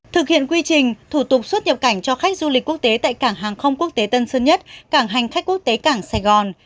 thực hiện quy trình thủ tục xuất nhập cảnh cho khách du lịch quốc tế tại cảng hàng không quốc tế tân sơn nhất cảng hành khách quốc tế cảng sài gòn